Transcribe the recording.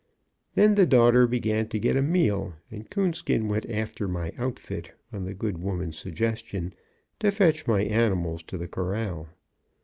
Then the daughter began to get a meal, and Coonskin went after my outfit, on the good woman's suggestion, to fetch my animals to the corral.